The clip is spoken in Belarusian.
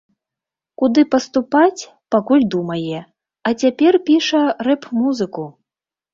Куды паступаць, пакуль думае, а цяпер піша рэп-музыку.